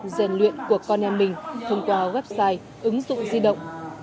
rèn luyện của con em mình thông qua website ứng dụng di động